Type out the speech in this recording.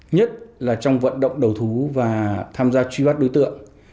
nhất là trong vận động đầu thú và tham gia truy bắt đối tượng